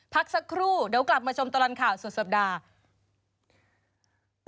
พักสักครู่เดี๋ยวกลับมาชมตลอดข่าวสุดสัปดาห์